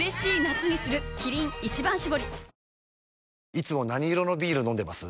いつも何色のビール飲んでます？